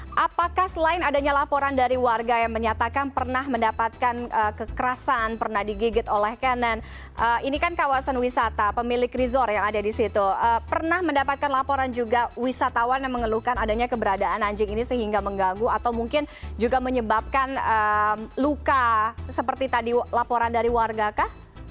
oke pak sorkani apakah selain adanya laporan dari warga yang menyatakan pernah mendapatkan kekerasan pernah digigit oleh kenan ini kan kawasan wisata pemilik resort yang ada di situ pernah mendapatkan laporan juga wisatawan yang mengeluhkan adanya keberadaan anjing ini sehingga mengganggu atau mungkin juga menyebabkan luka seperti tadi laporan dari warga kah